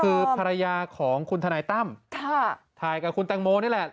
คือภรรยาของคุณทนายตั้มถ่ายกับคุณแตงโมนี่แหละ